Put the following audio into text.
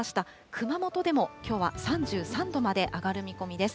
熊本でもきょうは３３度まで上がる見込みです。